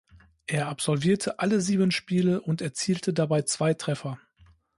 Er absolvierte alle sieben Spiele und erzielte dabei zwei Treffer.